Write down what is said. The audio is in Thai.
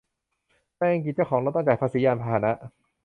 ในอังกฤษ เจ้าของรถต้องจ่ายภาษียานพาหนะ